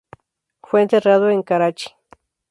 Fue enterrado en Karachi.